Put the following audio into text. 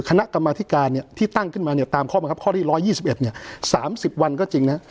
คณะกรรมาธิกรที่ตั้งตามข้อมึงข้อที่๑๒๑ภาษาปเนื้อ๓๐วันก็จริง